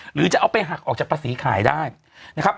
หรือจะเอาไปหักออกจากภาษีขายได้นะครับ